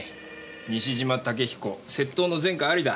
西島武彦窃盗の前科ありだ。